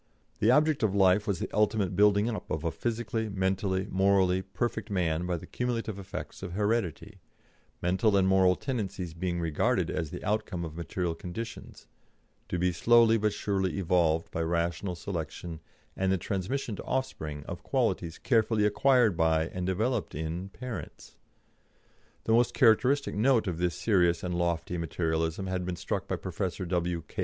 The object of life was the ultimate building up of a physically, mentally, morally perfect man by the cumulative effects of heredity mental and moral tendencies being regarded as the outcome of material conditions, to be slowly but surely evolved by rational selection and the transmission to offspring of qualities carefully acquired by, and developed in, parents. The most characteristic note of this serious and lofty Materialism had been struck by Professor W. K.